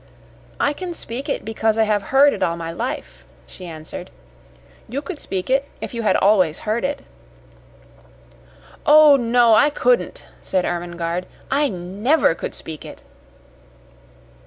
"I can speak it because I have heard it all my life," she answered. "You could speak it if you had always heard it." "Oh, no, I couldn't," said Ermengarde. "I NEVER could speak it!"